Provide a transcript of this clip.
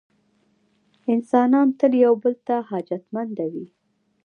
انسانان تل یو بل ته حاجتمنده وي.